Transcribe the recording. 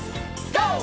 ＧＯ！